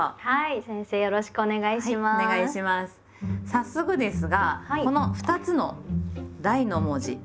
早速ですがこの２つの「大」の文字